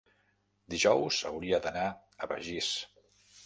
Dijous hauria d'anar a Begís.